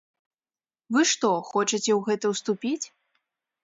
Вы што, хочаце ў гэта ўступіць?